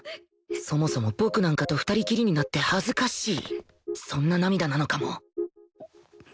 そもそも僕なんかと２人きりになって恥ずかしいそんな涙なのかも